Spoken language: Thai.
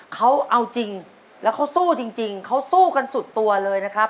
เขาเอาจริงแล้วเขาสู้จริงเขาสู้กันสุดตัวเลยนะครับ